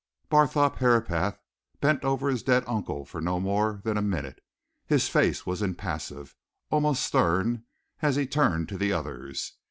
Barthorpe Herapath bent over his dead uncle for no more than a minute. His face was impassive, almost stern as he turned to the others.